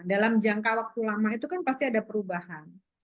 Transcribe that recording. dalam jangka waktu lama itu kan pasti ada perubahan